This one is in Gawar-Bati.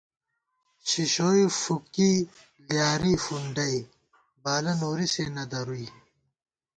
شِشوئی فُوکی لیارِی فُونڈَئی، بالہ نوری سے نہ درُوئی